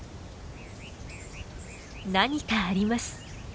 何かあります。